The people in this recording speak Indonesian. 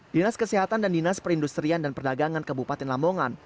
dinas kesehatan dan dinas perindustrian dan perdagangan kabupaten lamongan